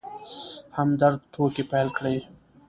همدرد ټوکې پيل کړې.